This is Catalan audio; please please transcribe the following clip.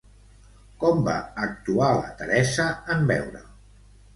Com va actuar la Teresa en veure'l?